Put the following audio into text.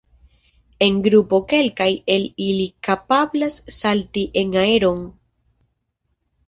En grupo kelkaj el ili kapablas salti en aeron.